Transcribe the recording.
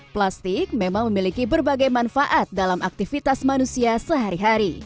plastik memang memiliki berbagai manfaat dalam aktivitas manusia sehari hari